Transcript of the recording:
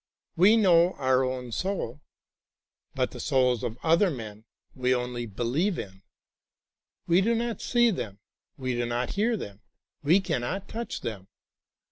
We know our own soul, but the souls of other men we only believe in. We do not see them, we do not hear them, we cannot touch them.